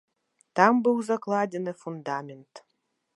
Там быў закладзены фундамент.